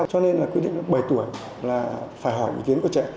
cho nên là quy định bảy tuổi là phải hỏi ý kiến của trẻ